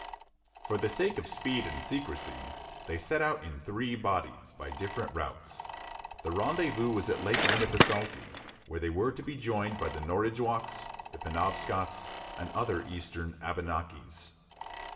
For the sake of speed and secrecy, they set out in three bodies, by different routes. The rendezvous was at Lake Winnepesaukee, where they were to be joined by the Norridgewocks, Penobscots, and other eastern Abenakis.